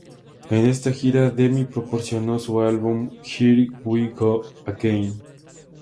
En esta gira, Demi promocionó su álbum "Here We Go Again".